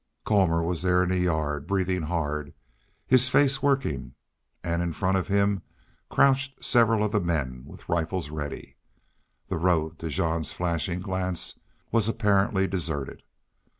Colmor was there in the yard, breathing hard, his face working, and in front of him crouched several of the men with rifles ready. The road, to Jean's flashing glance, was apparently deserted.